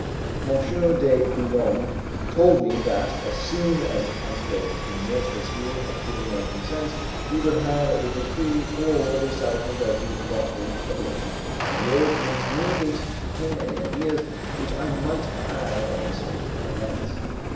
M. de Boulogne told me that, as soon as the council of the military school had given their consent, he would have the decree for the establishment of the lottery published, and he urged me to communicate to him any ideas which I might have on the subject of finance.